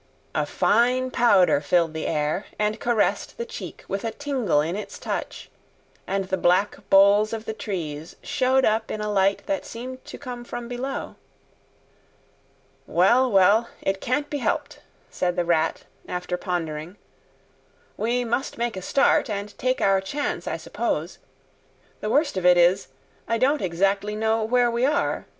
A fine powder filled the air and caressed the cheek with a tingle in its touch, and the black boles of the trees showed up in a light that seemed to come from below. "Well, well, it can't be helped," said the Rat, after pondering. "We must make a start, and take our chance, I suppose. The worst of it is, I don't exactly know where we are.